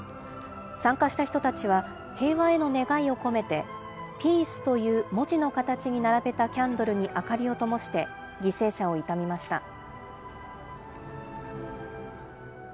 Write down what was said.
参加した人たちは、平和への願いを込めて、ＰＥＡＣＥという文字の形に並べたキャンドルに明かりをともして犠牲者を悼みました。